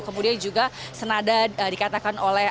kemudian juga senada dikatakan oleh